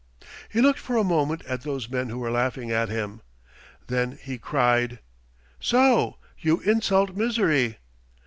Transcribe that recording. He looked for a moment at those men who were laughing at him. Then he cried, "So, you insult misery!